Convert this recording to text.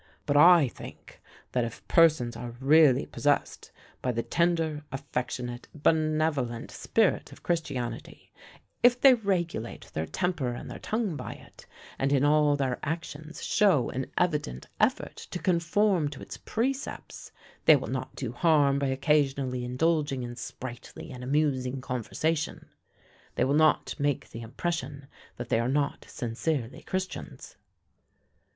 But I think, that if persons are really possessed by the tender, affectionate, benevolent spirit of Christianity if they regulate their temper and their tongue by it, and in all their actions show an evident effort to conform to its precepts, they will not do harm by occasionally indulging in sprightly and amusing conversation they will not make the impression that they are not sincerely Christians."